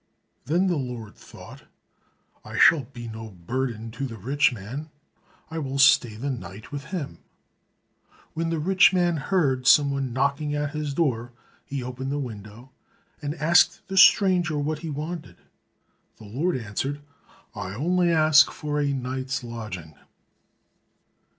Then the Lord thought, "I shall be no burden to the rich man, I will stay the night with him." When the rich man heard some one knocking at his door, he opened the window and asked the stranger what he wanted. The Lord answered, "I only ask for a night's lodging."